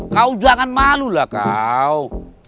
kau jangan malu lah kau